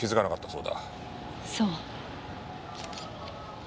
そう。